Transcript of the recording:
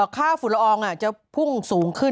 ฝุ่นละอองจะพุ่งสูงขึ้น